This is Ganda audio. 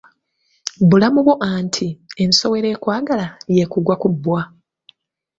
Bulamu bwo anti, ensowera ekwagala y'ekugwa ku bbwa.